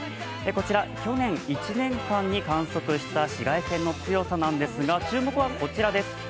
こちら去年１年間に観測した紫外線の強さなんですが、注目はこちらです。